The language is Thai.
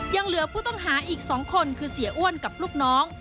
ยังเหลือผู้ต้องหาอีก๒คนคือเสียอ้วนกับลูกน้อง